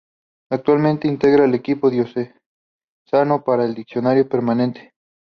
Actualmente integra el equipo diocesano para el Diaconado Permanente.